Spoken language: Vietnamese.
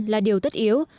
là điều tất yếu